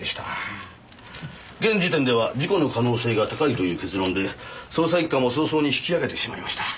現時点では事故の可能性が高いという結論で捜査一課も早々に引き揚げてしまいました。